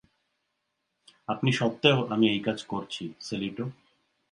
আপত্তি সত্ত্বেও আমি এই কাজ করছি, সেলিটো।